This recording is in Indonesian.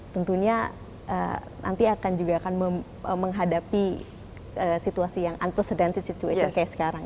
tentunya nanti akan juga akan menghadapi situasi yang unprecedented situation kayak sekarang